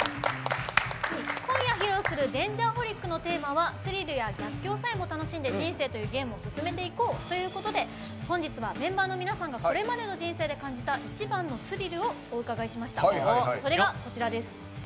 今夜、披露する「Ｄａｎｇｅｒｈｏｌｉｃ」という曲はスリルや逆境さえも楽しんで人生というゲームを進めていこうということで本日はメンバーの皆さんがこれまでの人生で感じた一番のスリルをお伺いしました。